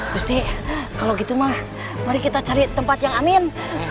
mesti kalau gitu mah mari kita cari tempat yang amin